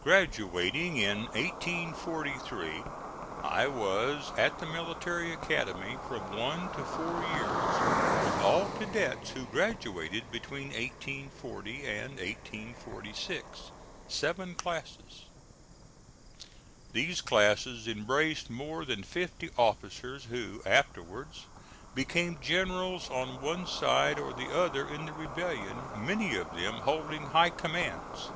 Graduating in 1843, I was at the military academy from one to four years with all cadets who graduated between 1840 and 1846 seven classes. These classes embraced more than fifty officers who afterwards became generals on one side or the other in the rebellion, many of them holding high commands.